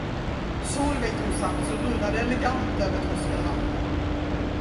Solveig tog sats och rullade elegant över tröskelrampen.